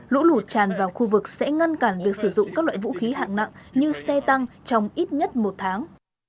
lũ lụt tràn vào khu vực sẽ ngăn cản việc sử dụng các loại vũ khí hạng nặng như xe tăng trong ít nhất một tháng